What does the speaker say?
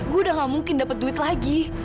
gue udah gak mungkin dapet duit lagi